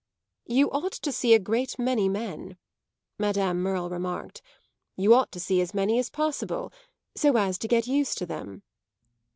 "You ought to see a great many men," Madame Merle remarked; "you ought to see as many as possible, so as to get used to them."